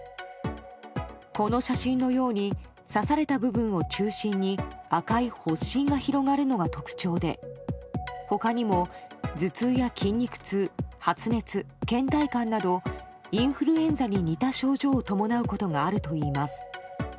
この写真のように刺された部分を中心に赤い発疹が広がるのが特徴で他にも頭痛や筋肉痛発熱、倦怠感などインフルエンザに似た症状を伴うことがあるといいます。